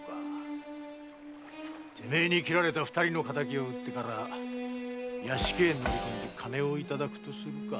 てめえに斬られた二人の仇を討ってから屋敷へ乗り込んで金をいただくとするか。